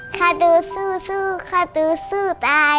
ข้าดูสู้ข้าดูสู้ตาย